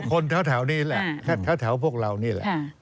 คือคนแท้วนี่แหละแท้วพวกเรานี่แหละ